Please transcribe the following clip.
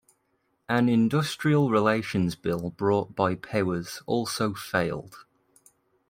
An industrial relations bill brought by Powers also failed.